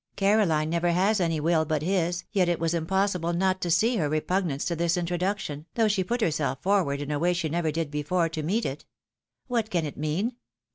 CaroUne never has any wiU but his, yet it was impossible not to see her repugnance to this introduction, though she put herself forward in a way she never did before to meet it. What can it mean